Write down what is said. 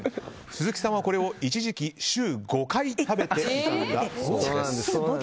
鈴木さんはこれを一時期週５回食べていたそうなんです。